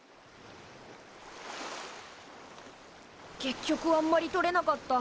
結局あんまり採れなかった。